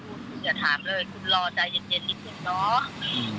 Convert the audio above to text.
คุณอย่าถามเลยคุณรอใจเย็นนิดนึงเนาะ